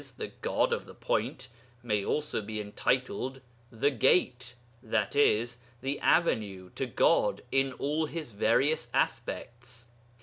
the God of the Point, may also be entitled 'The Gate,' i.e. the Avenue to God in all His various aspects.